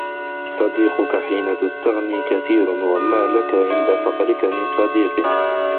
صديقك حين تستغنى كثير وما لك عند فقرك من صديق